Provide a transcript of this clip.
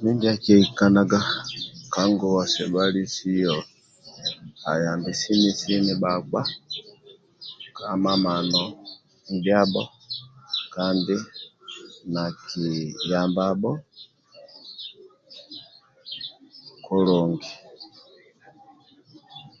Mindia akiekanag ka nguwa sebhalisio ayambi sini sini bhakpa ka mamano ndiabho kandi nakiyambabho kulungi